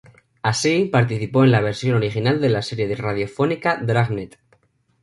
Así, participó en la versión original de la serie radiofónica "Dragnet".